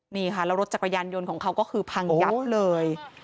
นี่ค่ะแล้วรถจักรยานยนต์ของเขาก็คือพังยับเลย